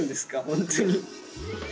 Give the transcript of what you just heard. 本当に。